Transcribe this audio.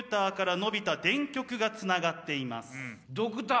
ドクター